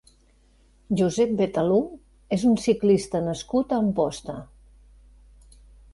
Josep Betalú és un ciclista nascut a Amposta.